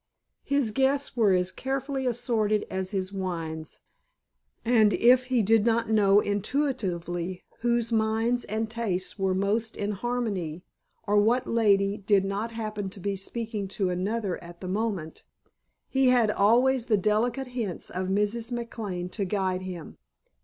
His guests were as carefully assorted as his wines, and if he did not know intuitively whose minds and tastes were most in harmony, or what lady did not happen to be speaking to another at the moment, he had always the delicate hints of Mrs. McLane to guide him.